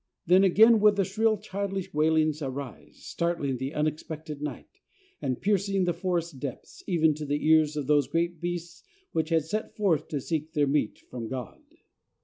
Then again would the shrill childish wailings arise, startling the unexpectant night, and piercing the forest depths, even to the ears of those great beasts which had set forth to seek their meat from God.